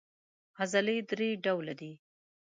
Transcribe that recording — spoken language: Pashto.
عضلې درې ډوله دي.